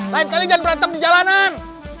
lain kali jangan berantem di jalanan